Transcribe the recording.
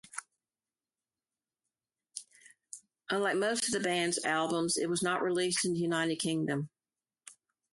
Unlike most of the band's albums, it was not released in the United Kingdom.